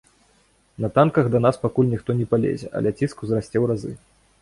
На танках да нас пакуль ніхто не палезе, але ціск узрасце ў разы.